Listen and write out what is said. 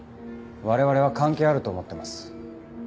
我々は関係あると思ってます。